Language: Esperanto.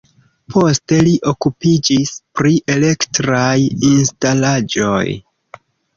Poste li okupiĝis pri elektraj instalaĵoj.